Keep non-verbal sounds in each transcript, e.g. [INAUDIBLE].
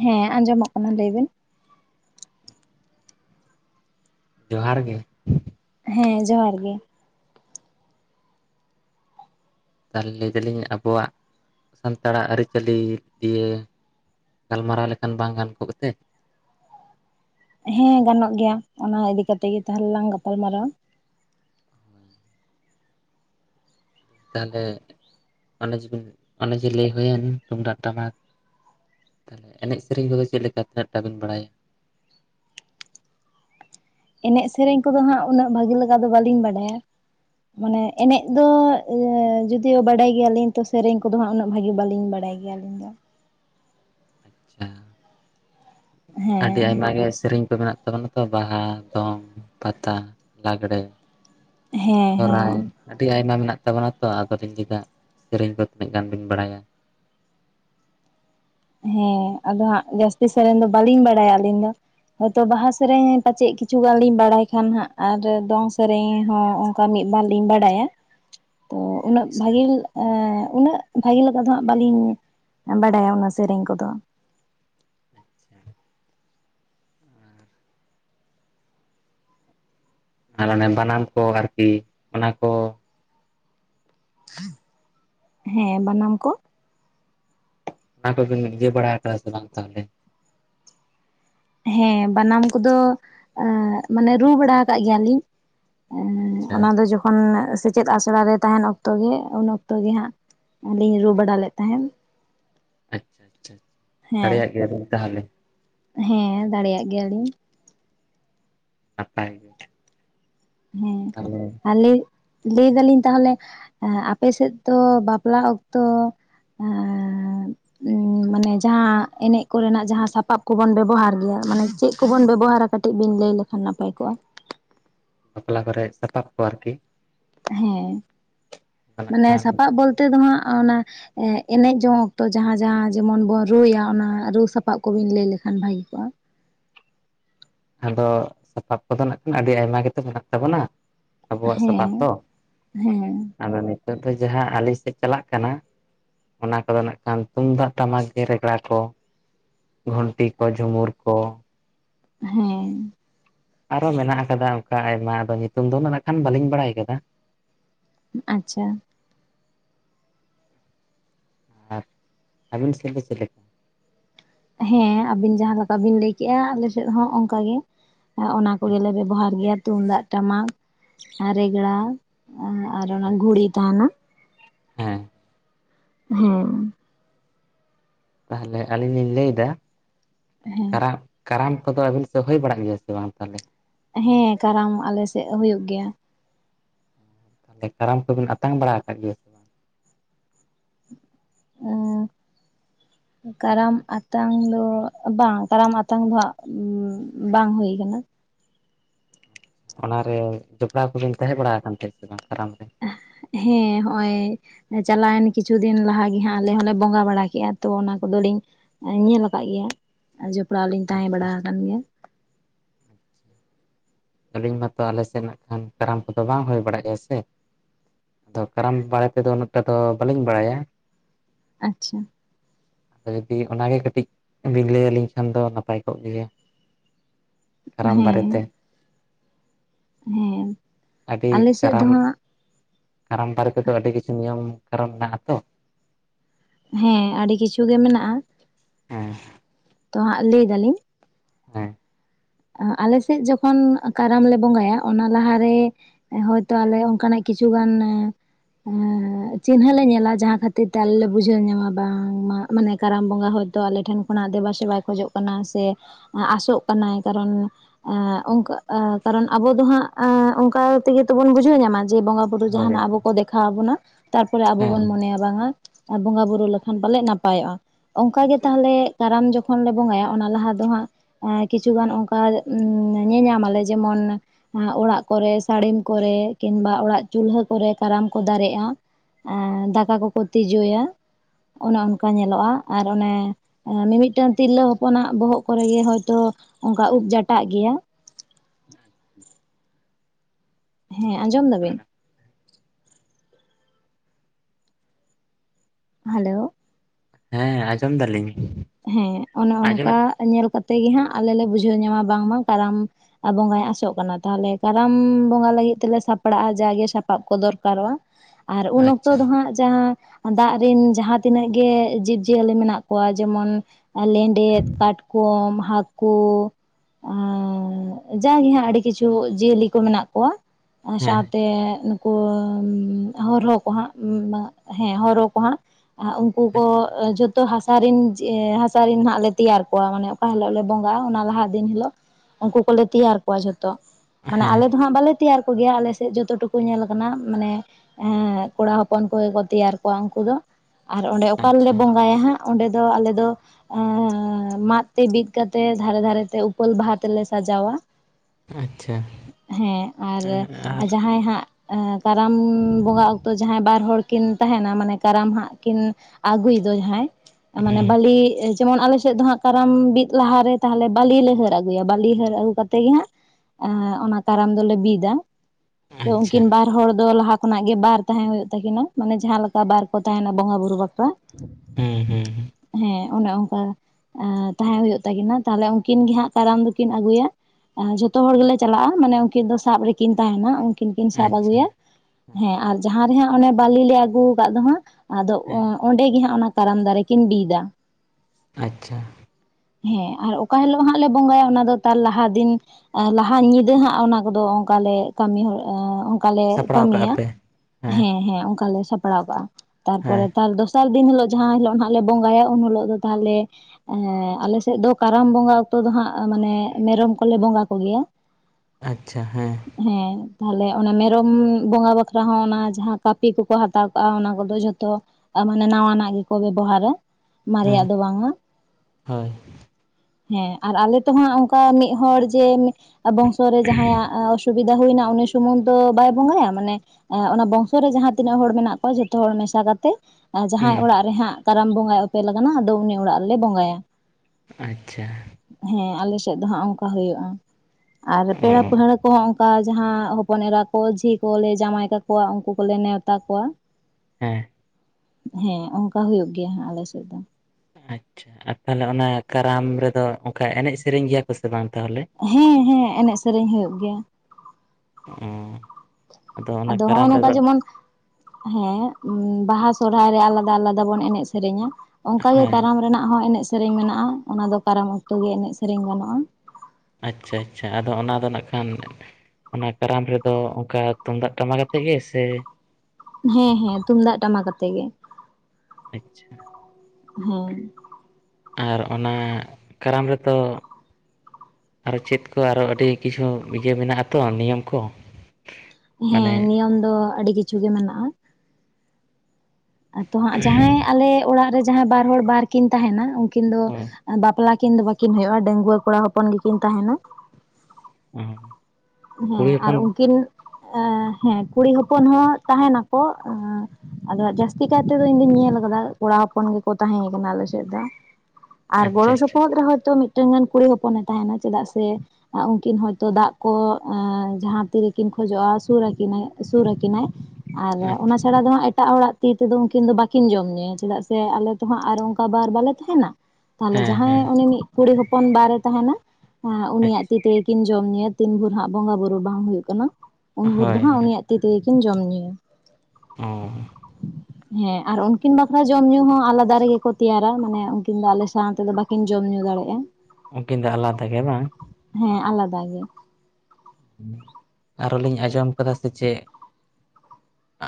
ᱦᱮᱸ, ᱟᱸᱡᱚᱢᱚᱜ ᱠᱟᱱᱟ ᱞᱟᱹᱭ ᱵᱤᱱ ᱾ ᱡᱚᱦᱟᱨ ᱜᱮ ᱾ ᱦᱮᱸ, ᱡᱚᱦᱟᱨ ᱜᱮ ᱾ ᱛᱟᱦᱚᱞᱮ ᱞᱟᱹᱭ ᱫᱟᱹᱞᱤᱧ ᱟᱵᱚᱣᱟᱜ ᱥᱟᱱᱛᱟᱲᱟᱜ ᱟᱹᱨᱤᱪᱟᱹᱞᱤ ᱫᱤᱭᱮ ᱜᱟᱞᱢᱟᱨᱟᱣ ᱞᱮᱠᱷᱟᱱ ᱵᱟᱝ ᱜᱟᱱ ᱠᱚᱜᱛᱮ? ᱦᱮᱸ, ᱜᱟᱱᱚᱜ ᱜᱮᱭᱟ, ᱚᱱᱟ ᱤᱫᱤ ᱠᱟᱛᱮ ᱜᱮ ᱛᱟᱦᱚᱞᱮ ᱞᱟᱝ ᱜᱟᱯᱟᱞ ᱢᱟᱨᱟᱨᱟᱣᱟ ᱾ ᱛᱟᱦᱚᱞᱮ ᱚᱱᱮ ᱡᱮ, ᱚᱱᱮ ᱡᱮ ᱞᱟᱹᱭ ᱦᱩᱭᱮᱱ ᱛᱩᱢᱫᱟᱜ ᱴᱟᱢᱟᱠ ᱮᱱᱮᱡ ᱥᱮᱨᱮᱧ ᱠᱚᱫᱚ ᱪᱮᱫ ᱞᱮᱠᱟ ᱛᱤᱱᱟᱹᱜ ᱴᱟᱜ ᱵᱤᱱ ᱵᱟᱲᱟᱭᱟ? ᱮᱱᱮᱡ ᱥᱮᱨᱮᱧ ᱠᱚᱫᱚ ᱦᱟᱸᱜ ᱩᱱᱟᱹᱜ ᱵᱷᱟᱜᱤ ᱞᱮᱠᱟ ᱫᱚ ᱵᱟᱹᱞᱤᱧ ᱵᱟᱰᱟᱭᱟ ᱾ ᱢᱟᱱᱮ ᱮᱱᱮᱡ ᱫᱚ ᱡᱩᱫᱤᱭᱳ ᱵᱟᱰᱟᱭ ᱜᱮᱭᱟᱞᱤᱧ, ᱛᱚ ᱥᱮᱨᱮᱧ ᱠᱚᱫᱚ ᱦᱟᱸᱜ ᱩᱱᱟᱹᱜ ᱵᱷᱟᱜᱤ ᱵᱟᱹᱞᱤᱧ ᱵᱟᱲᱟᱭ ᱜᱮᱭᱟ ᱟᱞᱤᱧ ᱫᱚ ᱾ ᱟᱪᱪᱷᱟ ᱾ ᱟᱹᱰᱤ ᱦᱮᱸ ᱟᱭᱢᱟ ᱜᱮ ᱥᱮᱨᱮᱧ ᱠᱚ ᱢᱮᱱᱟᱜ ᱛᱟᱵᱚᱱᱟ ᱛᱚ ᱵᱟᱦᱟ, ᱫᱚᱝ, ᱯᱟᱛᱟ, ᱞᱟᱜᱽᱲᱮ, ᱦᱮᱸ ᱥᱚᱨᱦᱟᱭ ᱦᱮᱸ ᱾ ᱟᱹᱰᱤ ᱟᱭᱢᱟ ᱢᱮᱱᱟᱜ ᱛᱟᱵᱚᱱᱟ ᱛᱚ, ᱟᱫᱚ ᱞᱤᱧ [UNINTELLIGIBLE] ᱥᱮᱨᱮᱧ ᱠᱚ ᱛᱤᱱᱟᱹᱜ ᱜᱟᱱ ᱵᱤᱱ ᱵᱟᱲᱟᱭᱟ? ᱦᱮᱸ, ᱟᱫᱚ ᱦᱟᱸᱜ ᱡᱟᱹᱥᱛᱤ ᱥᱮᱨᱮᱧ ᱫᱚ ᱵᱟᱹᱞᱤᱧ ᱵᱟᱲᱟᱭᱟ ᱟᱹᱞᱤᱧ ᱫᱚ ᱾ ᱦᱚᱭᱛᱚ ᱵᱟᱦᱟ ᱥᱮᱨᱮᱧ ᱯᱟᱪᱮᱫ ᱠᱤᱪᱷᱩ ᱜᱟᱱ ᱞᱤᱧ ᱵᱟᱲᱟᱭ ᱠᱷᱟᱱ ᱦᱟᱸᱜ ᱟᱨ ᱫᱚᱝ ᱥᱮᱨᱮᱧ ᱦᱚᱸ ᱚᱱᱠᱟ ᱢᱤᱫ ᱵᱟᱨ ᱞᱤᱧ ᱵᱟᱰᱟᱭᱟ ᱾ [UNINTELLIGIBLE] ᱛᱚ ᱩᱱᱟᱹᱜ ᱟᱪᱪᱷᱟ ᱵᱷᱟᱜᱤ ᱩᱱᱟᱹᱜ ᱵᱷᱟᱜᱮ ᱞᱮᱠᱟ ᱫᱚ ᱦᱟᱸᱜ ᱵᱟᱹᱞᱤᱧ ᱵᱟᱰᱟᱭᱟ, ᱚᱱᱟ ᱥᱮᱨᱮᱧ ᱠᱚᱫᱚ᱾ ᱟᱪᱪᱷᱟ, ᱟᱨ ᱚᱱᱮ ᱵᱟᱱᱟᱢ ᱠᱚ ᱟᱨᱠᱤ ᱚᱱᱟ ᱠᱚ ᱦᱮᱸ, ᱵᱟᱱᱟᱢ ᱠᱚ ᱚᱱᱟ ᱠᱚᱵᱮᱱ ᱤᱭᱟᱹ ᱵᱟᱲᱟ ᱟᱠᱟᱫᱟ ᱥᱮ ᱵᱟᱝ, ᱛᱟᱦᱚᱞᱮ ᱦᱮᱸ, ᱵᱟᱱᱟᱢ ᱠᱚᱫᱚ ᱢᱟᱱᱮ ᱨᱩ ᱵᱟᱲᱟ ᱟᱠᱟᱫ ᱜᱮᱭᱟᱞᱤᱧ ᱾ ᱮᱸ ᱟᱪᱪᱷᱟ ᱚᱱᱟ ᱫᱚ ᱡᱚᱠ ᱷᱚᱱ ᱥᱮᱪᱮᱫ ᱟᱥᱲᱟᱺᱨᱮ ᱛᱟᱦᱮᱱ ᱚᱠᱛᱚ ᱜᱮ, ᱩᱱ ᱚᱠᱛᱚ ᱜᱮ ᱦᱟᱸᱜ ᱞᱤᱧ ᱨᱩ ᱵᱟᱲᱟ ᱞᱮᱫ ᱛᱟᱦᱮᱸᱱ ᱾ ᱟᱪᱪᱷᱟ ᱟᱪᱪᱷᱟ ᱾ ᱦᱮᱸ ᱫᱟᱲᱮᱭᱟᱜ ᱜᱮᱭᱟᱵᱤᱱ ᱛᱟᱦᱚᱞᱮ ᱾ ᱦᱮᱸ, ᱫᱟᱲᱮᱭᱟᱜ ᱜᱮᱭᱟᱞᱤᱧ ᱾ ᱱᱟᱯᱟᱭ ᱾ ᱦᱮᱸ, ᱟᱞᱮ ᱞᱟᱹᱭ ᱮᱫᱟ ᱞᱤᱧ ᱛᱟᱦᱞᱮ ᱟᱯᱮ ᱥᱮᱫ ᱫᱚ ᱵᱟᱯᱞᱟ ᱚᱠᱛᱚ [UNINTELLIGIBLE] ᱢᱟᱱᱮ ᱡᱟᱦᱟᱸ ᱮᱱᱮᱡ ᱠᱚᱨᱮᱱᱟᱜ ᱡᱟᱦᱟᱸ ᱥᱟᱯᱟᱵ ᱠᱚᱵᱚᱱ ᱵᱮᱵᱚᱦᱟᱨ ᱜᱮᱭᱟ ᱢᱟᱱᱮ ᱪᱮᱫ ᱠᱚᱵᱚᱱ ᱵᱮᱵᱚᱦᱟᱨᱟ? ᱠᱟᱹᱴᱤᱡ ᱵᱤᱱ ᱞᱟᱹᱭ ᱞᱮᱠᱷᱟᱱ ᱱᱟᱯᱟᱭ ᱠᱚᱜ-ᱟ ᱾ ᱵᱟᱯᱞᱟ ᱠᱚᱨᱮ ᱥᱟᱯᱟᱵ ᱠᱚ ᱟᱨᱠᱤ ᱦᱮᱸ᱾ ᱚᱱᱠᱟ ᱱᱟᱜ ᱢᱟᱱᱮ ᱠᱷᱟᱱ ᱥᱟᱯᱟᱵ ᱵᱚᱞᱛᱮ ᱫᱚ ᱦᱟᱸᱜ ᱚᱱᱟ ᱮᱱᱮᱡ ᱡᱚᱝ ᱚᱠᱛᱚ ᱡᱟᱦᱟᱸᱡᱟᱦᱟᱸ ᱡᱮᱢᱚᱱ ᱵᱚᱱ ᱨᱩᱭᱟ, ᱚᱱᱟ ᱨᱩ ᱥᱟᱯᱟᱵ ᱠᱚᱵᱤᱱ ᱞᱟᱹᱭ ᱞᱮᱠᱷᱟᱱ ᱵᱷᱟᱹᱜᱤ ᱠᱚᱜ-ᱟ ᱾ ᱟᱫᱚ ᱥᱟᱯᱟᱵ ᱠᱚᱫᱚ ᱱᱟᱜ ᱠᱷᱟᱱ ᱟᱹᱰᱤ ᱟᱭᱢᱟ ᱜᱮᱛᱚ ᱢᱮᱱᱟᱜ ᱛᱟᱵᱚᱱᱟ ᱟᱵᱚᱣᱟᱜ ᱥᱟᱯᱟᱵ ᱦᱮᱸ ᱫᱚ, ᱦᱮᱸ ᱟᱫᱚ ᱱᱤᱛᱳᱜ ᱫᱚ ᱡᱟᱦᱟᱸ ᱟᱞᱮ ᱥᱮᱫ ᱪᱟᱞᱟᱜ ᱠᱟᱱᱟ, ᱚᱱᱟ ᱠᱚᱫᱚ ᱱᱟᱜ ᱠᱷᱟᱱ ᱛᱩᱢᱫᱟᱜ ᱴᱟᱢᱟᱠ ᱜᱮ ᱨᱮᱜᱽᱲᱟ ᱠᱚ, ᱜᱷᱚᱱᱴᱤ ᱠᱚ, ᱡᱷᱩᱢᱩᱨ ᱠᱚ ᱾ ᱦᱮᱸ ᱾ ᱟᱨᱦᱚ ᱢᱮᱱᱟᱜ ᱟᱠᱟᱫᱟ ᱚᱱᱠᱟ ᱟᱭᱢᱟ, ᱟᱫᱚ ᱧᱩᱛᱩᱢ ᱫᱚ ᱱᱟᱜᱠᱷᱟᱱ ᱵᱟᱹᱞᱤᱧ ᱵᱟᱲᱟᱭ ᱟᱠᱟᱫᱟ ᱾ ᱟᱪᱪᱷᱟ ᱾ ᱟᱨ ᱟᱹᱵᱤᱱ ᱥᱮᱫ ᱫᱚ ᱪᱮᱫ ᱞᱮᱠᱟ? ᱦᱮᱸ ᱟᱵᱤᱱ ᱡᱟᱦᱟᱸ ᱞᱮᱠᱟ ᱵᱤᱱ ᱞᱟᱹᱭ ᱠᱮᱜ-ᱟ ᱟᱞᱮ ᱥᱮᱫ ᱦᱚᱸ ᱚᱱᱠᱟ ᱜᱮ᱾ ᱚᱱᱟ ᱠᱚᱜᱮ ᱞᱮ ᱵᱮᱵᱚᱦᱟᱨ ᱜᱮᱭᱟ ᱛᱩᱢᱫᱟᱜ, ᱴᱟᱢᱟᱠ, ᱟᱨ ᱨᱮᱜᱽᱲᱟ ᱟᱨ ᱚᱱᱟ ᱜᱷᱩᱲᱤ ᱛᱟᱦᱮᱱᱟ ᱿ ᱦᱮᱸ ᱾ ᱦᱮᱸ ᱾ ᱛᱟᱦᱚᱞᱮ ᱟᱹᱞᱤᱧ ᱞᱤᱧ ᱞᱟᱹᱭ ᱮᱫᱟ ᱦᱮᱸ ᱠᱟᱨᱢ, ᱠᱟᱨᱟᱢ ᱠᱚᱫᱚ ᱟᱹᱵᱤᱱ ᱦᱩᱭ ᱵᱟᱲᱟᱜ ᱜᱮᱭᱟ ᱥᱮ ᱵᱟᱝ ᱛᱟᱦᱚᱞᱮ? ᱦᱮᱸ, ᱠᱟᱨᱟᱢ ᱟᱞᱮ ᱥᱮᱫ ᱫᱚ ᱦᱩᱭᱩᱜ ᱜᱮᱭᱟ ᱾ ᱛᱟᱦᱚᱞᱮ ᱠᱟᱨᱟᱢ ᱠᱚᱵᱮᱱ ᱟᱛᱟᱝ ᱵᱟᱲᱟ ᱟᱠᱟᱫ ᱜᱮᱭᱟ ᱥᱮ? ᱵᱟᱝ? [UNINTELLIGIBLE] ᱠᱟᱨᱟᱢ ᱟᱛᱟᱝ ᱫᱚ ᱵᱟᱝ ᱠᱟᱨᱟᱢ ᱟᱛᱟᱝ ᱫᱚ ᱵᱟᱝ ᱦᱩᱭ ᱟᱠᱟᱱᱟ᱾ ᱚᱱᱟᱨᱮ ᱡᱚᱯᱲᱟᱣ ᱠᱚᱵᱤᱱ ᱛᱟᱦᱮᱸ ᱵᱟᱲᱟ ᱟᱠᱟᱱ ᱛᱟᱦᱮᱸᱫ ᱥᱮ ᱵᱟᱝ ᱠᱟᱨᱟᱢ ᱨᱮ ᱦᱮᱸ ᱦᱚᱜ-ᱚᱭ ᱪᱟᱞᱟᱣ ᱮᱱ ᱠᱤᱪᱷᱩ ᱫᱤᱱ ᱞᱟᱦᱟ ᱜᱮ ᱦᱟᱸᱜ ᱟᱞᱮ ᱦᱚᱸᱞᱮ ᱵᱚᱸᱜᱟ ᱵᱟᱲᱟ ᱠᱮᱜᱟ ᱛᱚ ᱚᱱᱟ ᱠᱚᱫᱚᱞᱤᱧ ᱧᱮᱞ ᱟᱠᱟᱫ ᱜᱮᱭᱟ, ᱡᱚᱯᱲᱟᱣ ᱞᱤᱧ ᱛᱟᱦᱮᱸ ᱟᱪᱪᱷᱟ ᱵᱟᱲᱟ ᱟᱠᱟᱱ ᱜᱮᱭᱟ᱾ [INAUDIBLE] ᱟᱹᱞᱤᱧ ᱢᱟᱛᱚ ᱟᱞᱮ ᱥᱮᱫ ᱱᱟᱜ ᱠᱷᱟᱱ, ᱠᱟᱨᱟᱢ ᱠᱚᱫᱚ ᱵᱟᱝ ᱦᱩᱭ ᱵᱟᱲᱟᱜ ᱜᱮᱭᱟ ᱥᱮ ᱟᱫᱚ ᱠᱟᱨᱟᱢ ᱵᱟᱨᱮ ᱛᱮᱫᱚ ᱩᱱᱟᱹᱜᱴᱟ ᱫᱚ ᱵᱟᱹᱞᱤᱧ ᱵᱟᱲᱟᱭᱟ᱾ ᱟᱪᱪᱷᱟ ᱟ ᱡᱩᱫᱤ ᱚᱱᱟᱜᱮ ᱠᱟᱹᱴᱤᱡ ᱵᱤᱱ ᱞᱟᱹ ᱟᱹᱞᱤᱧ ᱠᱷᱟᱱ ᱫᱚ ᱱᱟᱯᱟᱭ ᱠᱚᱜ ᱜᱮᱭᱟ᱾ ᱠᱟᱨᱟᱢ ᱦᱮᱸ ᱵᱟᱨᱮᱛᱮ? ᱦᱮᱸ ᱟᱹᱰᱤ ᱟᱞᱮ ᱥᱮᱫ ᱫᱚ ᱠᱟᱨᱟᱢ ᱦᱟᱸᱜ ᱠᱟᱨᱟᱢ ᱵᱟᱨᱮ ᱠᱚᱫᱚ ᱟᱹᱰᱤ ᱠᱤᱪᱷᱩ ᱱᱤᱭᱚᱢ ᱠᱟᱨᱚᱱ ᱢᱮᱱᱟᱜ-ᱟ ᱛᱚ᱾ ᱦᱮᱸ ᱟᱹᱰᱤ ᱠᱤᱪᱷᱩ ᱜᱮ ᱢᱮᱱᱟᱜ-ᱟ᱾ ᱦᱮᱸ ᱛᱚ ᱦᱟᱸᱜ ᱞᱮᱭ ᱫᱟᱹᱞᱤᱧ᱾ ᱦᱮᱸ ᱟᱞᱮᱥᱮᱫ ᱡᱚᱠᱷᱚᱱ ᱠᱟᱨᱟᱢ ᱞᱮ ᱵᱚᱸᱜᱟᱭᱟ ᱚᱱᱟ ᱞᱟᱦᱟᱨᱮ ᱦᱚᱭᱛᱚ ᱟᱞᱮ ᱚᱱᱠᱟᱱᱟᱜ ᱠᱤᱪᱷᱩ ᱜᱟᱱ ᱮᱸᱻ ᱪᱤᱱᱦᱟᱹ ᱞᱮ ᱧᱮᱞᱟ ᱡᱟᱦᱟᱸ ᱠᱷᱟᱹᱛᱤᱨ ᱛᱮ, ᱟᱞᱮᱞᱮ ᱞᱮ ᱵᱩᱡᱷᱟᱹᱣ ᱧᱟᱢᱟ ᱵᱟᱝᱢᱟ᱾ ᱢᱟᱱᱮ ᱠᱟᱨᱟᱢ ᱵᱚᱸᱜᱟ ᱦᱚᱭᱛᱳ ᱟᱞᱮ ᱴᱷᱮᱱ ᱠᱷᱚᱱᱟᱜ ᱫᱮᱵᱟ ᱥᱮᱵᱟᱭ ᱠᱷᱚᱡᱚᱜ ᱠᱟᱱᱟ ᱥᱮ ᱟᱥᱚᱜ ᱠᱟᱱᱟᱭ ᱠᱟᱨᱚᱱ ᱟᱸᱻ ᱚᱱᱠᱟ ᱠᱟᱨᱚᱱ ᱟᱵᱳ ᱫᱚ ᱦᱟᱸᱜ ᱚᱱᱠᱟ ᱛᱮᱜᱮ ᱛᱵᱚᱱ ᱵᱩᱡᱷᱟᱹᱣ ᱧᱟᱢᱟ ᱡᱮ ᱵᱚᱸᱜᱟ ᱵᱩᱨᱩ ᱦᱳᱭ ᱡᱟᱸᱦᱟᱱᱟᱜ ᱟᱵᱚ ᱠᱚ ᱫᱮᱠᱷᱟᱣ ᱟᱵᱚᱱᱟ, ᱛᱟᱨᱯᱚᱨᱮ ᱟᱵᱚ ᱦᱮᱸ ᱵᱚᱱ ᱢᱚᱱᱮᱭᱟ ᱵᱟᱝᱟ ᱟᱨ ᱵᱚᱸᱜᱟ ᱵᱩᱨᱩ ᱞᱮᱠᱷᱟᱱ ᱯᱟᱞᱮ ᱱᱟᱯᱟᱭᱚᱜᱼᱟ᱾ ᱚᱱᱠᱟᱜᱮ ᱛᱟᱦᱞᱮ ᱠᱟᱨᱟᱢ ᱡᱚᱠᱷᱚᱱ ᱞᱮ ᱵᱚᱸᱜᱟᱭᱟ, ᱚᱱᱟ ᱞᱟᱦᱟ ᱫᱚ ᱦᱟᱸᱜ ᱮ ᱠᱤ ᱪᱷᱩᱜᱟᱱ ᱚᱱᱠᱟ ᱧᱮᱞ ᱧᱟᱢᱟᱞᱮ ᱡᱮᱢᱚᱱᱼ- ᱮ ᱚᱲᱟᱜ ᱠᱚᱨᱮ, ᱥᱟᱹᱲᱤᱢ ᱠᱚᱨᱮ, ᱠᱤᱱᱵᱟ ᱚᱲᱟᱜ ᱪᱩᱞᱦᱟᱹ ᱠᱚᱨᱮ ᱠᱟᱨᱟᱢ ᱠᱚ ᱫᱟᱨᱮᱜᱼᱟ᱾ ᱟᱸ ᱫᱟᱠᱟ ᱠᱚᱠᱚ ᱛᱤᱡᱳᱭᱟ᱾ ᱚᱱᱮ ᱚᱱᱠᱟ ᱧᱮᱞᱚᱜᱼᱟ ᱟᱨ ᱚᱱᱮ ᱢᱤ-ᱢᱤᱫᱴᱟᱝ ᱛᱤᱨᱞᱟᱹ ᱦᱚᱯᱚᱱᱟᱜ ᱵᱚᱦᱚᱜ ᱠᱚᱨᱮᱜᱮ ᱦᱚᱭᱛᱳ ᱚᱱᱠᱟ ᱩᱵ ᱡᱟᱴᱟᱜ ᱜᱮᱭᱟ᱾ [INAUDIBLE] ᱦᱮᱸ ᱟᱸᱡᱚᱢ ᱫᱟᱹᱵᱤᱱ? ᱦᱟᱹᱞᱳ ᱦᱮᱸ ᱟᱸᱡᱚᱢ ᱫᱟᱹᱞᱤᱧ᱾ ᱦᱮᱸ ᱚᱱᱮ ᱚᱱᱠᱟ ᱧᱮᱞ ᱠᱟᱛᱮ ᱜᱤ ᱦᱟᱸᱜ ᱟᱞᱮ ᱞᱮ ᱵᱩᱡᱷᱟᱹᱣ ᱧᱟᱢᱟ ᱵᱟᱝᱢᱟ ᱠᱟᱨᱟᱢ ᱵᱚᱸᱜᱟᱭ ᱟᱥᱚᱜ ᱠᱟᱱᱟ ᱛᱟᱦᱞᱮ, ᱠᱟᱨᱟᱢ ᱵᱚᱸᱜᱟ ᱞᱟᱹᱜᱤᱫ ᱛᱮᱞᱮ ᱥᱟᱯᱲᱟᱜᱼᱟ᱾ ᱡᱟᱜᱮ ᱥᱟᱯᱟᱵ ᱠᱚ ᱫᱚᱨᱠᱟᱨᱚᱜᱼᱟ᱾ ᱟᱨ ᱩᱱ ᱚᱠᱛᱚ ᱟᱪᱪᱷᱟ ᱫᱚ ᱦᱟᱸᱜ ᱡᱟᱸᱦᱟ ᱫᱟᱜ ᱨᱤᱱ ᱡᱟᱦᱟᱸ ᱛᱤᱱᱟᱹᱜ ᱜᱮ ᱡᱤᱵ ᱡᱤᱭᱟᱹᱞᱤ ᱢᱮᱱᱟᱜ ᱠᱚᱣᱟ᱾ ᱡᱮᱢᱚᱱ ᱞᱮᱸᱰᱮᱫ ᱠᱟᱴᱠᱚᱢ ᱦᱟᱹᱠᱳ ᱟᱨ ᱡᱟᱜᱮ ᱦᱟᱸᱜ ᱟᱹᱰᱤ ᱠᱤᱪᱷᱩ ᱡᱤᱭᱟᱹᱞᱤ ᱠᱚ ᱢᱮᱱᱟᱜ ᱠᱚᱣᱟ ᱟᱸ ᱦᱮᱸ ᱥᱟᱣ ᱛᱮ ᱠᱚ ᱦᱚᱨᱚ ᱠᱚ ᱦᱟᱸᱜ ᱦᱮᱸ ᱦᱚᱨᱚ ᱠᱚ ᱦᱟᱸᱜ ᱠᱩ ᱠᱚ ᱟᱪᱪᱷᱟ ᱡᱷᱚᱛᱚ ᱦᱟᱥᱟ ᱨᱤᱱ ᱪᱮ ᱦᱟᱥᱟ ᱨᱤᱱ ᱦᱟᱸᱜ ᱞᱮ ᱛᱤᱭᱟᱨ ᱠᱚᱣᱟ ᱢᱟᱱᱮ ᱚᱠᱟ ᱦᱤᱞᱳᱜ ᱞᱮ ᱵᱚᱸᱜᱟᱜᱼᱟ᱾ ᱚᱱᱟ ᱞᱟᱦᱟ ᱫᱤᱱ ᱦᱤᱞᱳᱜ ᱳᱱᱠᱳ ᱠᱚᱞᱮ ᱛᱤᱭᱟᱨ ᱠᱚᱣᱟ, ᱡᱷᱚᱛᱚ ᱢᱟᱱᱮ ᱟᱞᱮ ᱦᱮᱸ ᱫᱚ ᱦᱟᱸᱜ ᱵᱟᱞᱮ ᱛᱤᱭᱟᱨ ᱠᱚ ᱜᱮᱭᱟ ᱟᱞᱮ ᱥᱮᱫ ᱡᱚᱛ ᱴᱩᱠᱩ ᱧᱮᱞ ᱠᱟᱱᱟ ᱢᱟᱱᱮ ᱮᱸ ᱠᱚᱲᱟ ᱦᱚᱯᱚᱱ ᱠᱚᱜᱮ ᱠᱚ ᱛᱮᱭᱟᱨ ᱠᱚᱣᱟ ᱳᱱᱠᱩ ᱫᱚ, ᱟᱨ ᱚᱸᱰᱮ ᱚᱠᱟ ᱨᱮᱞᱮ ᱟᱪᱪᱷᱟ ᱵᱚᱸᱜᱟᱭᱟ ᱦᱟᱸᱜ ᱚᱸᱰᱮ ᱫᱚ ᱟᱞᱮ ᱫᱚ ᱮᱸ ᱢᱟᱫ ᱛᱮ ᱵᱤᱫ ᱠᱟᱛᱮᱫ ᱫᱷᱟᱨᱮ ᱫᱷᱟᱨᱮ ᱛᱮ ᱩᱯᱟᱹᱞ ᱵᱟᱦᱟ ᱛᱮᱞᱮ ᱥᱟᱡᱟᱣᱟ᱾ ᱟᱪᱪᱷᱟ ᱦᱮᱸ ᱟᱨ ᱦᱮᱸ ᱟᱨ ᱡᱟᱸᱦᱟᱭ ᱦᱟᱸᱜ ᱠᱟᱨᱟᱢ ᱵᱚᱸᱜᱟ ᱚᱠᱛᱚ ᱡᱟᱦᱟᱸᱭ ᱵᱟᱨ ᱦᱚᱲ ᱠᱤᱱ ᱛᱟᱸᱦᱮᱱᱟ ᱢᱟᱱᱮ ᱠᱟᱨᱟᱢ ᱦᱟᱸᱜ ᱠᱤᱱ ᱟᱹᱜᱩᱭ ᱫᱚ ᱡᱟᱦᱟᱸᱭ ᱢᱟᱱᱮ ᱦᱩᱸ ᱵᱟᱹᱞᱤ ᱡᱮᱢᱚᱱ ᱟᱞᱮ ᱥᱮᱫ ᱫᱚ ᱦᱟᱸᱜ ᱠᱟᱨᱟᱢ ᱵᱤᱫ ᱞᱟᱦᱟᱨᱮ ᱛᱟᱦᱟᱞᱮ ᱵᱟᱹᱞᱤ ᱞᱮ ᱦᱟᱹᱨ ᱟᱹᱜᱩᱭᱟ ᱵᱟᱹᱞᱤ ᱦᱟᱹᱨ ᱟᱹᱜᱩ ᱠᱟᱛᱮ ᱜᱮ ᱦᱟᱸᱜ ᱟᱸ ᱚᱱᱟ ᱠᱟᱨᱟᱢ ᱫᱚᱞᱮ ᱵᱤᱫᱟ, ᱛᱚ ᱟᱪᱪᱷᱟ ᱩᱱᱠᱤᱱ ᱵᱟᱨ ᱦᱚᱲ ᱫᱚ ᱞᱟᱦᱟ ᱠᱷᱚᱱᱟᱜ ᱜᱮ ᱵᱟᱨ ᱛᱟᱸᱦᱮ ᱦᱳᱭᱩᱜ ᱛᱟᱹᱠᱤᱱᱟ ᱢᱟᱱᱮ ᱡᱟᱦᱟᱸ ᱞᱮᱠᱟ ᱵᱟᱨ ᱠᱚ ᱛᱟᱸᱦᱮᱱᱟ ᱵᱚᱸᱜᱟ ᱵᱩᱨᱩ ᱵᱟᱠᱷᱨᱟ, ᱦᱩᱸ ᱦᱩᱸ᱾ ᱦᱮᱸ ᱚᱱᱮ ᱚᱝᱠᱟ ᱮᱸ ᱛᱟᱦᱮᱸ ᱦᱩᱭᱩᱜ ᱛᱟᱹᱠᱤᱱᱟ ᱛᱟᱦᱞᱮ ᱩᱱᱠᱤᱱ ᱜᱤ ᱦᱟᱸᱜ ᱠᱟᱨᱟᱢ ᱫᱩᱠᱤᱱ ᱟᱹᱜᱩᱭᱟ, ᱟᱸ ᱡᱷᱚᱛᱚ ᱦᱚᱲ ᱜᱮᱞᱮ ᱪᱟᱞᱟᱜᱼᱟ ᱢᱟᱱᱮ ᱩᱱᱠᱤᱱ ᱫᱚ ᱥᱟᱵ ᱨᱮᱠᱤᱱ ᱛᱟᱸᱦᱮᱱᱟ ᱩᱱᱠᱤᱱ ᱠᱤᱱ ᱥᱟᱵ ᱟᱪᱪᱷᱟ ᱟᱹᱜᱩᱭᱟ ᱦᱮᱸ ᱟᱨ ᱡᱟᱦᱟᱸ ᱨᱮᱦᱟᱸᱜ ᱚᱱᱮ ᱵᱟᱞᱤ ᱞᱮ ᱟᱹᱜᱩ ᱠᱟᱫ ᱫᱚ ᱦᱟᱸᱜ ᱟᱫᱚ ᱦᱮᱸ ᱚᱸᱰᱮ ᱜᱮ ᱦᱟᱸᱜ ᱚᱱᱟ ᱠᱟᱨᱟᱢ ᱫᱟᱨᱮ ᱠᱤᱱ ᱵᱤᱫᱟ, ᱟᱪᱪᱷᱟ᱾ ᱦᱮᱸ ᱟᱨ ᱚᱠᱟ ᱦᱤᱞᱳᱜ ᱦᱟᱸᱜ ᱞᱮ ᱵᱚᱸᱜᱟᱭᱟ ᱚᱱᱟ ᱫᱚ ᱛᱟᱨ ᱞᱟᱦᱟ ᱫᱤᱱ ᱞᱟᱦᱟ ᱧᱤᱫᱟᱹ ᱦᱟᱸᱜ ᱚᱱᱟ ᱠᱚᱫᱚ ᱚᱝᱠᱟᱞᱮ ᱠᱟᱹᱢᱤ ᱦᱟᱸᱜ ᱟ ᱠᱟᱞᱮ ᱥᱟᱯᱲᱟᱣ ᱠᱟᱜᱼᱟ ᱠᱟᱹᱢᱤᱭᱟ ᱯᱮ ᱦᱮᱸ ᱦᱮᱸ ᱚᱝᱠᱟ ᱞᱮ ᱥᱟᱯᱲᱟᱣ ᱠᱟᱜᱼᱟ ᱛᱟᱨᱯᱚᱨᱮ ᱦᱮᱸ ᱛᱟᱨ ᱫᱚ ᱥᱟᱨ ᱫᱤᱱ ᱦᱤᱞᱳᱜ ᱡᱟᱦᱟᱸ ᱦᱤᱞᱳᱜ ᱱᱟᱦᱟᱜ ᱞᱮ ᱵᱚᱸᱜᱟᱭᱟ ᱩᱱ ᱦᱳᱞᱳᱜ ᱫᱚ ᱛᱟᱦᱞᱮ ᱮᱸ ᱟᱞᱮᱥᱮᱫ ᱫᱚ ᱠᱟᱨᱟᱢ ᱵᱚᱸᱜᱟ ᱛᱚ ᱫᱚ ᱦᱟᱸᱜ ᱢᱟᱱᱮ ᱢᱮᱨᱚᱢ ᱠᱚᱞᱮ ᱵᱚᱸᱜᱟ ᱠᱚᱜᱮᱭᱟ, ᱟᱪᱪᱷᱟ ᱦᱮᱸ᱾ ᱦᱮᱸ ᱛᱟᱦᱚᱞᱮ ᱚᱱᱟ ᱢᱮᱨᱚᱢ ᱵᱚᱸᱜᱟ ᱵᱟᱠᱷᱨᱟ ᱦᱚᱸ ᱚᱱᱟ ᱡᱟᱦᱟᱸ ᱠᱟᱹᱯᱤ ᱠᱚᱠᱚ ᱦᱟᱛᱟᱣ ᱠᱟᱜᱼᱟ ᱚᱱᱟ ᱠᱚᱫᱚ ᱡᱷᱚᱛᱚ ᱢᱟᱱᱮ ᱱᱟᱣᱟᱱᱟᱜ ᱜᱮᱠᱚ ᱵᱮᱵᱚᱦᱟᱨᱟ ᱦᱮᱸ ᱢᱟᱨᱮᱭᱟᱜ ᱫᱚ ᱵᱟᱝᱼᱟ, ᱦᱳᱭ ᱦᱮᱸ ᱟᱨ ᱟᱞᱮ ᱛᱦᱟᱸᱜ ᱚᱱᱠᱟ ᱢᱤᱫ ᱦᱚᱨ ᱡᱮ ᱵᱚᱝᱥᱚ ᱨᱮ ᱡᱟᱦᱟᱸᱭᱟᱜ ᱚᱥᱩ ᱥᱩᱵᱤᱫᱟ ᱦᱩᱭᱱᱟ ᱩᱱᱤ ᱥᱩᱢᱩᱝ ᱫᱚ ᱵᱟᱭ ᱵᱚᱸᱜᱟᱭᱟ ᱢᱟᱱᱮ ᱮᱸᱜ ᱚᱱᱟ ᱵᱚᱝᱥᱚ ᱨᱮ ᱡᱟᱦᱟᱸ ᱛᱤᱱᱟᱹᱜ ᱦᱚᱲ ᱢᱮᱱᱟᱜ ᱠᱚᱣᱟ ᱡᱷᱚᱛᱚ ᱦᱚᱲ ᱢᱮᱥᱟ ᱠᱟᱛᱮᱜ ᱡᱟᱦᱟᱸᱭ ᱦᱩᱸ ᱚᱲᱟᱜ ᱨᱮ ᱦᱟᱸᱜ ᱠᱟᱨᱟᱢ ᱵᱚᱸᱜᱟᱭ ᱚᱯᱮᱞ ᱠᱟᱱᱟ ᱟᱫᱚ ᱩᱱᱤ ᱚᱲᱟᱜ ᱨᱮᱞᱮ ᱵᱚᱸᱜᱟᱭᱟ᱾ ᱟᱪᱪᱷᱟ᱾ ᱦᱮᱸ ᱟᱞᱮ ᱥᱮᱫ ᱫᱚ ᱦᱟᱸᱜ ᱚᱝᱠᱟ ᱦᱩᱭᱩᱜᱼᱟ, ᱟᱨ ᱚ ᱯᱮᱲᱟ ᱯᱟᱹᱲᱦᱟᱹ ᱠᱚᱣᱟᱜ ᱚᱱᱠᱟ ᱡᱟᱦᱟᱸ ᱦᱚᱯᱚᱱ ᱮᱨᱟ ᱠᱚ ᱡᱷᱤ ᱠᱚᱞᱮ ᱡᱟᱶᱟᱭ ᱠᱟᱜ ᱠᱚᱣᱟ ᱩᱱᱠᱩ ᱠᱚᱞᱮ ᱱᱮᱣᱛᱟ ᱠᱚᱣᱟ, ᱦᱮᱸᱜ᱾ ᱦᱮᱸ ᱚᱱᱠᱟ ᱦᱩᱭᱩᱜ ᱜᱮᱭᱟ ᱦᱟᱜ ᱟᱞᱮ ᱥᱮᱫ ᱫᱚ᱾ ᱟᱪᱪᱷᱟ ᱟᱨ ᱛᱟᱦᱚᱞᱮ ᱚᱱᱟ ᱠᱟᱨᱟᱢ ᱨᱮᱫᱚ ᱚᱱᱠᱟ ᱮᱱᱮᱡ ᱥᱮᱨᱮᱧ ᱜᱮᱭᱟ ᱠᱚ ᱥᱮ ᱵᱟᱝ ᱛᱟᱦᱚᱞᱮ? ᱦᱮᱸ ᱦᱮᱸ ᱮᱱᱮᱡ ᱥᱮᱨᱮᱧ ᱦᱩᱭᱩᱜ ᱜᱮᱭᱟ, ᱚ᱾ ᱚᱱᱟ ᱟᱫᱚ ᱦᱚᱸᱜᱼᱚ ᱠᱟᱨᱟᱢ ᱨᱮᱫᱚ ᱱᱚᱝᱠᱟ ᱡᱮᱢᱚᱱ ᱦᱮᱸ ᱵᱟᱦᱟ ᱥᱚᱦᱨᱟᱭ ᱨᱮ ᱟᱞᱟᱫᱟ ᱟᱞᱟᱫᱟ ᱵᱚᱱ ᱮᱱᱮᱡ ᱥᱮᱨᱮᱧᱟ, ᱚᱱᱠᱟ ᱜᱮ ᱦᱮᱸ ᱠᱟᱨᱟᱢ ᱨᱮᱱᱟᱜ ᱦᱚᱸ ᱮᱱᱮᱡ ᱥᱮᱨᱮᱧ ᱢᱮᱱᱟᱜᱼᱟ, ᱚᱱᱟ ᱫᱚ ᱠᱟᱨᱟᱢ ᱚᱠᱛᱚ ᱜᱮ ᱮᱱᱮᱡ ᱥᱮᱨᱮᱧ ᱜᱟᱱᱚᱜᱼᱟ, ᱟᱪᱪᱷᱟ ᱟᱪᱪᱷᱟ ᱟᱫᱚ ᱚᱱᱟ ᱫᱚ ᱱᱟᱜ ᱠᱷᱟᱱ ᱚᱱᱟ ᱠᱟᱨᱟᱢ ᱨᱮᱫᱚ ᱚᱱᱠᱟ ᱛᱩᱢᱫᱟᱜ ᱴᱟᱢᱟᱠ ᱟᱛᱮᱛᱜ ᱜᱮ ᱥᱮ ᱦᱮᱸ ᱦᱮᱸ ᱛᱩᱢᱫᱟᱜ ᱴᱟᱢᱟᱠ ᱟᱛᱮᱜ ᱜᱮ ᱟᱪᱪᱷᱟ᱾ ᱦᱮᱸ᱾ ᱟᱨ ᱚᱱᱟ ᱠᱟᱨᱟᱢ ᱨᱮᱛᱚ ᱟᱨᱚ ᱪᱮᱫ ᱠᱚ ᱟᱨᱚ ᱟᱹᱰᱤ ᱠᱤᱪᱷᱩ ᱤᱭᱟᱹ ᱢᱮᱱᱟᱜ ᱟᱛᱚ ᱱᱤᱭᱚᱢ ᱠᱚ ᱢᱟᱱᱮ ᱦᱮᱸ ᱱᱤᱭᱚᱢ ᱫᱚ ᱟᱹᱰᱤ ᱠᱤᱪᱷᱩ ᱜᱮ ᱢᱮᱱᱟᱜᱼᱟ᱾ ᱟᱫᱚ ᱦᱟᱸᱜ ᱡᱟᱦᱟᱸᱭ ᱟᱞᱮ ᱚᱲᱟᱜ ᱨᱮ ᱡᱟᱦᱟᱸᱭ ᱵᱟᱨ ᱦᱚᱲ ᱵᱟᱨ ᱠᱤᱱ ᱛᱟᱦᱮᱸᱱᱟ ᱩᱱᱠᱤᱱ ᱫᱚ ᱦᱳᱭ ᱵᱟᱯᱞᱟ ᱠᱤᱱ ᱫᱚ ᱵᱟᱹᱠᱤᱱ ᱦᱩᱭᱩᱜᱼᱟ ᱰᱟᱺᱜᱩᱣᱟᱹ ᱠᱚᱲᱟ ᱦᱚᱯᱚᱱ ᱜᱮᱠᱤᱱ ᱛᱟᱦᱮᱸᱱᱟ᱾ ᱦᱚᱸ ᱦᱮᱸ ᱠᱩᱲᱤ ᱟᱨ ᱦᱚᱯᱚᱱ ᱩᱱᱠᱤᱱ ᱦᱮᱸ ᱠᱩᱲᱤ ᱦᱚᱯᱚᱱ ᱦᱚᱸ ᱛᱟᱦᱮᱸᱱᱟᱠᱚ ᱟᱫᱚ ᱦᱟᱸᱜ ᱡᱟᱹᱥ ᱛᱤ ᱠᱟᱭ ᱛᱮᱫᱚ ᱤᱧ ᱫᱩᱧ ᱧᱮᱞ ᱟᱠᱟᱫᱟ ᱠᱚᱲᱟ ᱦᱚᱯᱚᱱ ᱜᱮᱠᱚ ᱛᱟᱦᱮᱸ ᱠᱟᱱᱟ ᱟᱞ ᱥᱮᱫ ᱫᱚ, ᱟᱨ ᱟᱪᱪᱷᱟ ᱜᱚᱲᱚ ᱟᱪᱪᱷᱟ ᱥᱚᱯᱚᱦᱚᱫ ᱨᱮᱦᱚ ᱛᱚ ᱢᱤᱫᱴᱟᱝ ᱜᱟᱱ ᱠᱩᱲᱤ ᱦᱚᱯᱚᱱᱮ ᱛᱟᱦᱮᱸᱱᱟ ᱪᱮᱫᱟᱜ ᱥᱮ ᱩᱱᱠᱤᱱ ᱦᱚᱭᱛᱚ ᱫᱟᱜ ᱠᱚ ᱡᱟᱦᱟᱸ ᱛᱤᱨᱮᱠᱤᱱ ᱠᱷᱚᱡᱚᱜᱼᱟ ᱥᱩᱨ ᱟ. ᱠᱤᱱᱟᱭ ᱥᱩᱨ ᱟᱹᱠᱤᱱᱟᱭ ᱟᱨ ᱚᱱᱟ ᱟᱪᱪᱷᱟ ᱪᱷᱟᱲᱟ ᱫᱚ ᱦᱟᱸᱜ ᱮᱴᱟᱜ ᱦᱚᱲᱟᱜ ᱛᱤ ᱛᱮᱫᱚ ᱩᱱᱠᱤᱱ ᱫᱚ ᱵᱟᱠᱤᱱ ᱡᱚᱢ ᱧᱩᱭᱟ ᱪᱮᱫᱟᱜ ᱥᱮ ᱟᱞᱮ ᱛᱚ ᱦᱟᱸᱜ ᱟᱨ ᱚᱱᱠᱟ ᱵᱟᱨ ᱵᱟᱞᱮ ᱛᱟᱦᱮᱸᱱᱟ, ᱛᱟᱦᱚᱞᱮ ᱦᱮᱸ ᱡᱟᱦᱟᱸᱭ ᱦᱮᱸ ᱩᱱᱤ ᱢᱤᱫ ᱠᱩᱲᱤ ᱦᱚᱯᱚᱱ ᱵᱟᱨᱮ ᱛᱟᱦᱮᱱᱟ ᱩᱱᱤᱭᱟᱜ ᱟᱪᱪᱷᱟ ᱛᱤ ᱛᱮᱜᱮ ᱠᱤᱱ ᱡᱚᱢ ᱧᱩᱭᱟ ᱛᱤᱱ ᱵᱷᱳᱨ ᱦᱟᱸᱜ ᱵᱚᱸᱜᱟ ᱵᱩᱨᱩ ᱵᱟᱝ ᱦᱩᱭᱩᱜ ᱠᱟᱱᱟ ᱩᱱ ᱵᱷᱩᱨ ᱫᱚ ᱦᱳᱭ ᱦᱟᱸᱜ ᱦᱳᱭ ᱩᱱᱤᱭᱟᱜ ᱛᱮᱜᱮᱠᱤᱱ ᱡᱚᱢ ᱧᱩᱭᱟ᱾ ᱚ ᱦᱮᱸ ᱟᱨ ᱩᱱᱠᱤᱱ ᱵᱟᱠᱷᱨᱟ ᱡᱚᱢ ᱧᱩ ᱦᱚᱸ ᱟᱞᱟᱫᱟ ᱨᱮᱜᱮ ᱠᱚ ᱛᱮᱭᱟᱨᱟ ᱢᱟᱱᱮ ᱩᱱᱠᱤᱱ ᱫᱚ ᱟᱞᱮ ᱥᱟᱶᱛᱮᱫᱚ ᱵᱟ ᱠᱤᱱ ᱡᱚᱢ ᱧᱩ ᱫᱟᱲᱮᱭᱟᱜᱼᱟ᱾ ᱩᱱᱠᱤᱱ ᱫᱚ ᱟᱞᱟᱫᱟ ᱜᱮ ᱵᱟᱝ? ᱦᱮᱸ ᱟᱞᱟᱫᱟ ᱜᱮ᱾ ᱟᱨᱚ ᱞᱤᱧ ᱟᱸᱡᱚᱢ ᱠᱟᱫᱟ ᱥᱮ ᱪᱮᱫ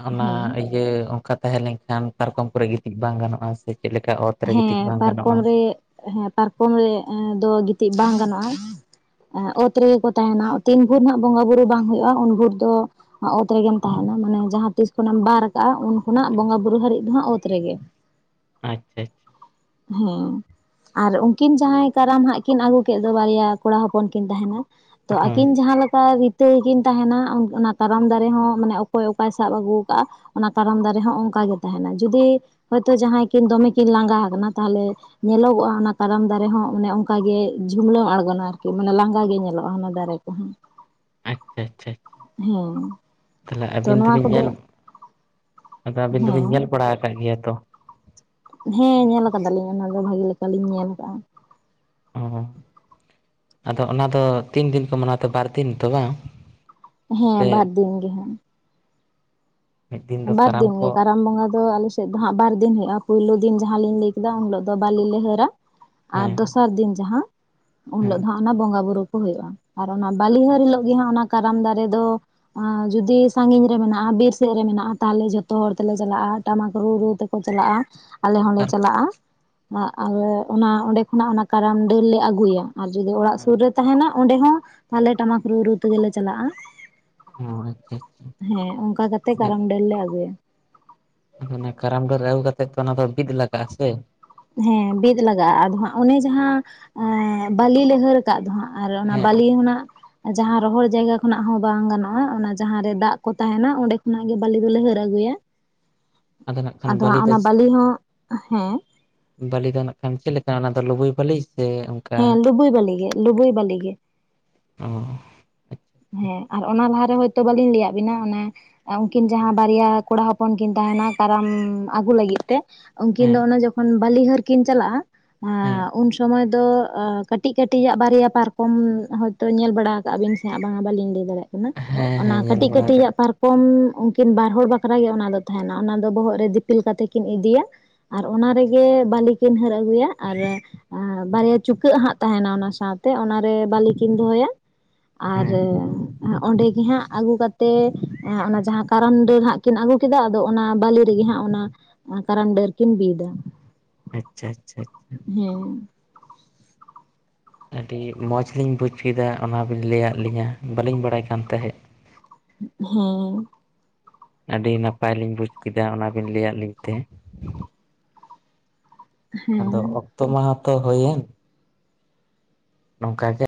ᱚᱱᱟ ᱦᱮᱸ ᱡᱮ ᱚᱱᱠᱟ ᱛᱟᱦᱮᱸ ᱞᱮᱱ ᱠᱷᱟᱱ ᱯᱟᱨᱠᱚᱢ ᱠᱚᱨᱮ ᱜᱤᱛᱤᱡ ᱵᱟᱝ ᱜᱟᱱᱚᱜᱼᱟ ᱥᱮ ᱪᱮᱫ ᱞᱮᱠᱟ ᱚᱛ ᱨᱮ ᱦᱮᱸ ᱜᱤᱛᱤᱡ ᱵᱟᱝ ᱜᱟᱱᱚᱜᱼᱟ? ᱯᱟᱨᱠᱚᱢ ᱨᱮ ᱦᱮᱸ ᱯᱟᱨᱠᱚᱢ ᱨᱮᱫᱚ ᱜᱤᱛᱤᱡ ᱵᱟᱝ ᱜᱟᱱᱚᱜᱼᱟ᱾ ᱚᱛ ᱨᱮᱜᱮ ᱠᱚ ᱛᱟᱦᱮᱱᱟ ᱛᱤᱱ ᱵᱷᱳᱨ ᱦᱟᱸᱜ ᱵᱚᱸᱜᱟᱼ ᱵᱩᱨᱩ ᱵᱟᱝ ᱦᱩᱭᱩᱜᱼᱟ ᱩᱱ ᱵᱷᱳᱨ ᱫᱚ ᱚᱛ ᱨᱮᱜᱮᱢ ᱛᱟᱦᱮᱱᱟ ᱢᱟᱱᱮ ᱡᱟᱦᱟᱸ ᱛᱤᱥ ᱠᱷᱚᱮᱢ ᱵᱟᱨ ᱠᱟᱜᱼᱟ ᱩᱱ ᱠᱷᱚᱱᱟᱜ ᱵᱚᱸᱜᱟ ᱟᱪᱪᱷᱟ ᱵᱩᱨᱩ ᱦᱟᱹᱨᱤᱡ ᱫᱚ ᱦᱟᱸᱜ ᱚᱛ ᱨᱮᱜᱮ᱾ ᱟᱪᱪᱷᱟ ᱟᱪᱪᱷᱟ ᱦᱮᱸ ᱟᱨ ᱩᱱᱠᱤᱱ ᱡᱟᱦᱟᱸᱭ ᱠᱟᱨᱟᱢ ᱦᱟᱸᱜ ᱠᱤᱱ ᱟᱹᱜᱩ ᱠᱮᱫ ᱫᱚ ᱵᱟᱨᱭᱟ ᱠᱚᱲᱟ ᱦᱚᱯᱚᱱ ᱠᱤᱱ ᱛᱟᱦᱮᱱᱟ ᱛᱚ ᱦᱳᱭ ᱟᱹᱠᱤᱱ ᱡᱟᱦᱟᱸ ᱞᱮᱠᱟ ᱛᱮᱠᱤᱱ ᱛᱟᱦᱮᱱᱟ ᱚᱱᱟ ᱠᱟᱨᱟᱢ ᱫᱟᱨᱮ ᱦᱚᱸ ᱢᱟᱱᱮ ᱚᱠᱚᱭ ᱚᱠᱟᱭ ᱥᱟᱵ ᱟᱹᱜᱩ ᱟᱠᱟᱫᱟᱼᱟ ᱚᱱᱟ ᱠᱟᱨᱟᱢ ᱫᱟᱨᱮ ᱦᱚᱸ ᱚᱱᱠᱟᱟᱜ ᱜᱮ ᱛᱟᱦᱮᱱᱟ ᱡᱩᱫᱤ ᱦᱚᱳᱭᱛᱳ ᱡᱟᱦᱟᱸᱭ ᱠᱤᱱ ᱫᱚᱢᱮ ᱠᱤᱱ ᱞᱟᱸᱜᱟ ᱟᱠᱟᱱᱟ ᱛᱟᱦᱚᱞᱮ, ᱧᱮᱞᱚᱜᱚᱜᱼᱟ ᱚᱱᱟ ᱠᱟᱨᱟᱢ ᱫᱟᱨᱮ ᱦᱚᱸ ᱢᱟᱱᱮ ᱚᱱᱠᱟᱜᱮ ᱡᱷᱩᱞᱟᱹᱣ ᱟᱬᱜᱚᱱᱟ ᱟᱨᱠᱤ ᱢᱟᱱᱮ ᱞᱟᱸᱜᱟ ᱜᱮ ᱧᱮᱞᱚᱜᱼᱟ ᱚᱱᱟ ᱫᱟᱨᱮ ᱠᱚᱦᱚᱸ ᱾ ᱟᱪᱪᱷᱟ ᱟᱪᱪᱷᱟ ᱾ ᱦᱮᱸ ᱛᱟᱦᱚᱞᱮ ᱛᱚ ᱟᱹᱵᱤᱱ ᱱᱚᱣᱟ ᱫᱚᱵᱤᱱ ᱠᱚᱫᱚ ᱧᱮᱞ ᱟᱫᱚ ᱟᱹᱵᱤᱱ ᱫᱚᱵᱤᱱ ᱦᱮᱸ ᱧᱮᱞ ᱵᱟᱲᱟ ᱟᱠᱟᱫ ᱜᱮᱭᱟ ᱛᱚ? ᱦᱮᱸ ᱧᱮᱞ ᱠᱟᱫᱟᱞᱤᱧ ᱚᱱᱟ ᱫᱚ ᱵᱷᱟᱜᱤ ᱞᱮᱠᱟᱞᱤᱤᱧ ᱧᱮᱞ ᱟᱠᱟᱫᱟᱼᱟ ᱾ ᱚ ᱟᱫᱚ ᱚᱱᱟ ᱫᱚ ᱛᱤᱱ ᱫᱤᱱ ᱠᱚ ᱢᱟᱱᱟᱣᱛᱮ ᱵᱟᱨ ᱫᱤᱱ ᱛᱚ ᱵᱟᱝ? ᱦᱮᱸ ᱥᱮ ᱵᱟᱨ ᱫᱤᱱ ᱜᱮ ᱾ ᱢᱤᱫ ᱫᱤᱱ ᱫᱚ ᱠᱟᱨᱟᱢ ᱵᱟᱨᱫᱤᱱ ᱠᱚ ᱜᱮ ᱠᱟᱨᱟᱢ ᱵᱚᱸᱜᱟ ᱫᱚ ᱟᱞᱮ ᱥᱮᱫ ᱫᱚ ᱦᱟᱸᱜ ᱵᱟᱨ ᱫᱤᱱ ᱦᱩᱭᱩᱜᱼᱟ ᱯᱳᱭᱞᱳ ᱫᱤᱱ ᱡᱟᱦᱟᱸᱞᱤᱧ ᱞᱟᱹᱭ ᱠᱮᱫᱟ ᱩᱱ ᱦᱤᱞᱳᱜ ᱫᱚ ᱵᱟᱞᱤ ᱞᱮ ᱦᱟᱺᱨᱟ ᱾ ᱟᱨ ᱦᱮᱸ ᱫᱚᱥᱟᱨ ᱫᱤᱱ ᱡᱟᱦᱟᱸ ᱩᱱ ᱦᱮᱸ ᱦᱤᱞᱳᱜ ᱫᱚ ᱦᱟᱸᱜ ᱚᱱᱟ ᱵᱚᱸᱜᱟ ᱵᱳᱩᱨᱩᱳ ᱠᱚ ᱦᱩᱭᱩᱜᱼᱟ ᱾ ᱟᱨ ᱚᱱᱟ ᱵᱞᱤᱦᱟᱨ ᱟᱪᱪᱷᱟ ᱦᱤᱞᱳᱜ ᱜᱮ ᱟᱪᱪᱷᱟ ᱦᱟᱸᱜ ᱚᱱᱟ, ᱠᱟᱨᱟᱢ ᱫᱟᱨᱮ ᱫᱚ ᱡᱩᱫᱤ ᱥᱟᱺᱜᱤᱧ ᱨᱮ ᱢᱮᱱᱟᱜᱼᱟ ᱵᱤᱨ ᱥᱮᱫ ᱨᱮ ᱢᱮᱱᱟᱜᱼᱟ, ᱛᱟᱦᱞᱮ ᱡᱷᱚᱛᱚ ᱦᱚᱲ ᱛᱮᱞᱮ ᱪᱟᱞᱟᱜᱼᱟ ᱴᱟᱢᱟᱠ ᱨᱩ ᱨᱩ ᱛᱮᱠᱚ ᱪᱟᱞᱟᱜᱼᱟ ᱟᱞᱮ ᱦᱚᱸᱞᱮ ᱟᱨ ᱠᱚ ᱪᱟᱞᱟᱜᱼᱟ ᱾ ᱟᱞᱮ ᱚᱱᱟ ᱚᱸᱰᱮ ᱠᱷᱚᱱᱟᱜ ᱚᱱᱟ ᱠᱟᱨᱟᱢ ᱰᱟᱹᱨᱞᱮ ᱟᱹᱜᱩᱭᱟ ᱟᱨ ᱡᱩᱫᱤ ᱚᱲᱟᱜ ᱦᱮᱸ ᱥᱩᱨ ᱨᱮ, ᱛᱟᱦᱮᱱᱟ ᱚᱸᱰᱮ ᱦᱚᱸ ᱛᱟᱦᱞᱮ ᱴᱟᱢᱟᱠ ᱨᱩ ᱨᱩ ᱛᱮᱜᱮᱞᱮ ᱪᱟᱞᱟᱜᱼᱟ ᱾ ᱚ ᱟᱪᱪᱷᱟ ᱟᱪᱪᱷᱟ ᱦᱮᱸ ᱚᱱᱠᱟ ᱠᱟᱛᱮ ᱟᱫᱚ ᱠᱟᱨᱟᱢ ᱰᱟᱹᱨ ᱞᱮ ᱟᱹᱜᱩᱭᱟ ᱾ ᱚᱱᱟ ᱠᱟᱨᱟᱢ ᱰᱷᱟᱹᱨ ᱟᱹᱜᱩ ᱠᱟᱛᱮᱜ ᱛᱚ ᱚᱱᱟ ᱫᱚ ᱵᱤᱫ ᱞᱟᱜᱟᱜᱼᱟ ᱥᱮ? ᱦᱮᱸ ᱵᱤᱫ ᱞᱟᱜᱟᱜᱼᱟ ᱟᱫᱚ ᱦᱟᱜ ᱚᱱᱮ ᱡᱟᱦᱟᱸ ᱮ ᱵᱟᱞᱤ ᱞᱦᱟᱹᱨ ᱟᱠᱟᱫ ᱫᱚ ᱦᱟᱸᱜ ᱟᱨ ᱚᱱᱟ ᱦᱮᱸ ᱵᱟᱞᱤ ᱦᱚᱸᱱᱟᱜ ᱡᱟᱦᱟᱸ ᱨᱚᱦᱚᱲ ᱡᱟᱭᱜᱟ ᱠᱷᱚᱱᱟᱜ ᱦᱚᱸ ᱵᱟᱝ ᱜᱟᱱᱚᱜᱼᱟ ᱚᱱᱟ ᱡᱟᱦᱟᱸ ᱨᱮ ᱫᱟᱜ ᱠᱚ ᱛᱟᱦᱮᱱᱟ ᱚᱸᱰᱮ ᱠᱷᱚᱱᱟᱜ ᱜᱮ ᱵᱟᱹᱞᱤ ᱫᱚᱞᱮ ᱦᱟᱹᱨ ᱟᱹᱜᱩᱭᱟ ᱾ [UNINTELLIGIBLE] ᱠᱷᱟᱱ ᱟᱫᱚ ᱵᱟᱹᱞᱤ ᱦᱟᱸᱜ ᱫᱚ ᱚᱱᱟ ᱵᱟᱞᱤ ᱦᱚᱸ ᱦᱮᱸ, ᱵᱟᱹᱞᱤ ᱫᱚ ᱱᱟᱜ ᱠᱷᱟᱱ ᱪᱮᱫ ᱞᱮᱠᱟ ᱚᱱᱟ ᱫᱚ ᱞᱵᱩᱭ ᱵᱟᱹᱞᱤ ᱥᱮ? ᱚᱱᱠᱟ ᱦᱮᱸ ᱞᱩᱵᱩᱭ ᱵᱟᱞᱤ ᱜᱮ ᱞᱩᱵᱩᱭ ᱵᱟᱞᱤ ᱜᱮ ᱾ ᱚ ᱟᱪᱪᱷᱟ ᱦᱮᱸ ᱟᱨ ᱚᱱᱟ ᱞᱟᱦᱟᱨᱮ ᱦᱚᱳᱭᱛᱳ ᱵᱟᱞᱤᱧ ᱞᱟᱹᱭᱟ ᱵᱤᱱᱟ ᱚᱱᱮ ᱩᱱᱠᱤᱱ ᱡᱟᱦᱟᱸ ᱵᱟᱨᱭᱟ ᱠᱚᱲᱟ ᱦᱚᱯᱚᱱ ᱠᱤᱱ ᱛᱟᱦᱮᱱᱟ ᱠᱟᱨᱟᱢ ᱟᱹᱜᱩ ᱞᱟᱹᱜᱤᱫ ᱛᱮ, ᱩᱱᱠᱤᱱ ᱫᱚ ᱦᱮᱸ ᱚᱱᱮ ᱡᱚᱠᱷᱚᱱ ᱵᱞᱤᱦᱟᱹᱨ ᱠᱤᱱ ᱪᱟᱞᱟᱜᱼᱟ ᱦᱮᱸ ᱩᱱᱚ ᱥᱚᱢᱚᱭ ᱫᱚ ᱠᱟᱹᱴᱤᱡ ᱠᱟᱹᱴᱤᱡᱟᱜ ᱵᱟᱨᱭᱟ ᱯᱟᱨᱠᱚᱢ ᱦᱚᱭᱛᱚ ᱧᱮᱞ ᱵᱟᱲᱟ ᱟᱠᱟᱟᱜ ᱵᱤᱱ ᱥᱮ ᱵᱟᱝᱟ ᱵᱟᱞᱤᱧ ᱞᱟᱹᱭ ᱫᱟᱲᱮᱭᱟᱜ ᱠᱟᱱᱟ ᱦᱮᱸ ᱦᱮᱸ ᱚᱱᱟ ᱧᱮᱞ ᱠᱟᱹᱴᱤᱡ ᱵᱟᱲᱟ ᱠᱟᱜ ᱠᱟᱹᱴᱤᱡᱟᱜ ᱯᱟᱨᱠ ᱠᱚᱢ ᱩᱱᱠᱤᱱ ᱵᱟᱨ ᱦᱚᱲ ᱵᱟᱠᱷᱨᱟ ᱜᱮ ᱚᱱᱟ ᱫᱚ ᱛᱟᱦᱮᱱᱟ ᱚᱱᱟ ᱫᱚ ᱵᱚᱦᱚᱜ ᱨᱮ ᱫᱤᱯᱤᱞ ᱠᱟᱛᱮ ᱠᱤᱱ ᱤᱫᱤᱭᱟ ᱾ ᱟᱨ ᱚᱱᱟ ᱨᱮᱜᱮ ᱵᱟᱞᱤ ᱠᱤᱱ ᱦᱟᱹᱨ ᱟᱹᱜᱩᱭᱟ ᱟᱨ ᱵᱟᱨᱭᱟ ᱪᱩᱠᱟᱹᱜ ᱦᱟᱸᱜ ᱛᱟᱦᱮᱱᱟ ᱚᱱᱟ ᱥᱟᱶᱛᱮ ᱚᱱᱟᱨᱮ ᱵᱟᱹᱞᱤᱠᱤᱱ ᱫᱚᱦᱚᱭᱟ ᱾ ᱟᱨ ᱦᱮᱸ ᱚᱸᱰᱮᱜᱮ ᱦᱟᱸᱜ ᱟᱹᱜᱩ ᱠᱟᱛᱮᱜ ᱚᱱᱟ ᱡᱟᱦᱟᱸ ᱠᱟᱨᱚᱱ ᱰᱤ ᱦᱟᱸᱜ ᱠᱤᱱ ᱟᱹᱜᱩ ᱠᱮᱫᱟ ᱟᱫᱚ ᱚᱱᱟ ᱵᱟᱹᱞᱤ ᱨᱮᱜᱮ ᱦᱟᱸᱜ, ᱚᱱᱟ ᱠᱟᱨᱟᱢ ᱰᱟᱹᱨ ᱠᱤᱱ ᱵᱤᱫᱟ ᱾ ᱟᱪᱪᱷᱟ ᱟᱪᱷᱟ ᱾ ᱦᱩᱸ ᱟᱹᱰᱤ ᱢᱚᱡᱽᱞᱤᱧ ᱵᱩᱡᱽ ᱠᱮᱫᱟ ᱚᱱᱟᱵᱤᱱ ᱞᱟᱹᱭᱟᱜ ᱞᱤᱧᱟᱹ ᱵᱟᱹᱞᱤᱧ ᱵᱟᱲᱟᱭ ᱠᱟᱱ ᱛᱟᱦᱮᱸᱫ ᱾ ᱦᱮᱸ ᱟᱹᱰᱤ ᱱᱟᱯᱟᱭᱞᱤᱧ ᱵᱩᱡ ᱠᱮᱫᱟ ᱚᱱᱟᱵᱤᱱ ᱞᱟᱹᱭᱟᱫ ᱞᱤᱧ ᱛᱮ ᱾ ᱟᱫᱚ ᱦᱮᱸ ᱚᱠᱛᱚ ᱢᱟᱦᱟ ᱛᱚ ᱦᱩᱭᱮᱱ ᱾ ᱱᱚᱝᱠᱟ ᱜᱮ ᱾